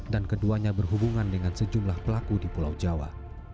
dan keduanya berhubungan dengan sejumlah pelaku di pulau jawa